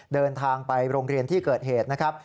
เดินทางไปโรงเรียนที่เกิดเหตุนะครับ